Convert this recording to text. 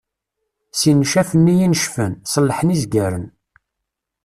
Si ncaf-nni i necfen, ṣelḥen izgaren.